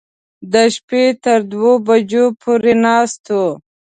د شپې تر دوو بجو پورې ناست و.